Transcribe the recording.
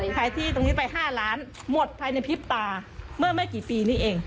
ขายที่ตรงนี้ไป๕ล้านหมดภายในพริบตาเมื่อไม่กี่ปีนี้เอง